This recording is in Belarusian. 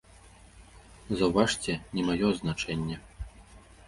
Заўважце, не маё азначэнне!